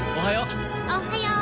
おはよう。